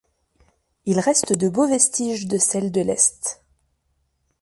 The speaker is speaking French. Il reste de beaux vestiges de celle de l'est.